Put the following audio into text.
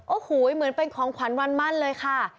โอ้โหเหมือนเป็นของขวัญวันมั่นเลยค่ะ